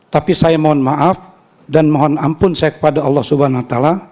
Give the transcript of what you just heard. tapi saya mohon maaf dan mohon ampun saya kepada allah swt